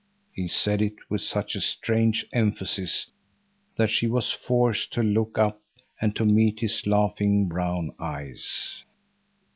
He said it with such a strange emphasis that she was forced to look up and to meet his laughing brown eyes.